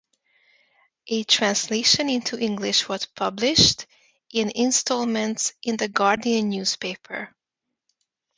A translation into English was published in instalments in the "Guardian" newspaper.